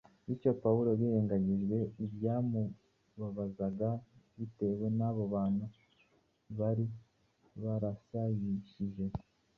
Bityo, Pawulo yirengagije ibyamubabazaga bitewe n’abo bantu bari barasayishije,